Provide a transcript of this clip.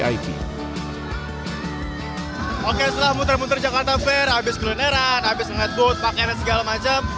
oke setelah muter muter jakarta fair habis kulineran habis ngeliat booth pakenan segala macam